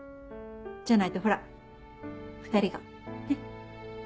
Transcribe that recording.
じゃないとほら２人がねっ。